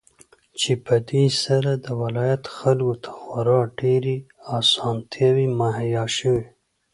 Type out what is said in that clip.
چې په دې سره د ولايت خلكو ته خورا ډېرې اسانتياوې مهيا شوې.